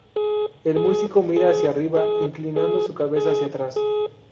El músico mira hacia arriba inclinando su cabeza hacia atrás.